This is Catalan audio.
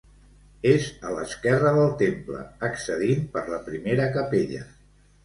És a l'esquerra del temple, accedint per la primera capella.